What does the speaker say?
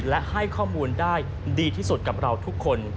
และให้ข้อมูลได้ดีที่สุดกับเราทุกคน